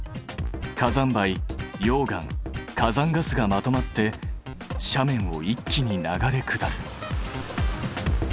火山灰溶岩火山ガスがまとまって斜面を一気に流れ下る。